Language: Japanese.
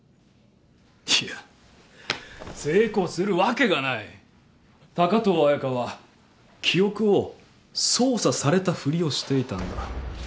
いや成功するわけがない高遠綾香は記憶を操作されたふりをしていたんだ